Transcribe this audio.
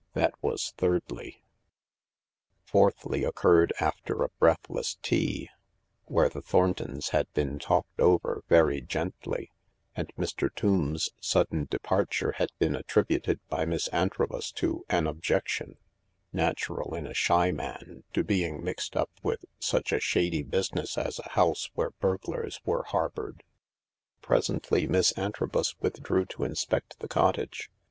That was thirdly. ••■••• Fourthly occurred after a breathless tea, where the Thorn tons had been talked over — very gently— and Mr. Tombs' sudden departure had been attributed by Miss Antrobus to an objection, natural in a shy man, to being mixed up with such a shady business as a house where burglars were har boured. Presently Miss Antrobus withdrew to inspect the cottage.